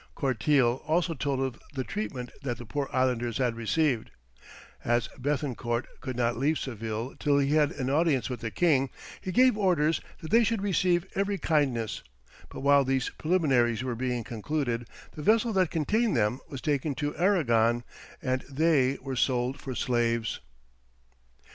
Courtille also told of the treatment that the poor islanders had received; as Béthencourt could not leave Seville till he had had an audience with the king, he gave orders that they should receive every kindness, but while these preliminaries were being concluded, the vessel that contained them was taken to Aragon, and they were sold for slaves.